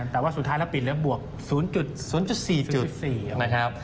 แต่ว่าสุดท้ายแล้วปิดเหลือบวก๐๐๔๔นะครับ